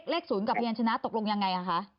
เลข๐กับพยานชนะตกลงยังไงคะ